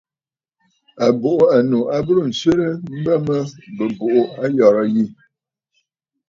À bùʼû ànnnù a burə nswerə mbə mə bɨ̀ buʼu ayɔ̀rə̂ yi.